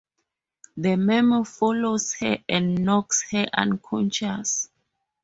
The Meme follows her and knocks her unconscious.